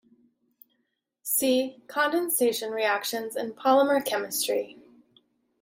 See "condensation reactions in polymer chemistry".